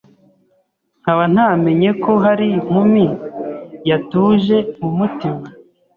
nkaba ntamenye ko hari inkumi yatuje mu mutima